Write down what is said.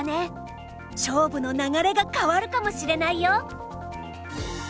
勝負の流れが変わるかもしれないよ。